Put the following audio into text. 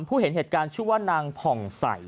เห็นเหตุการณ์ชื่อว่านางผ่องใส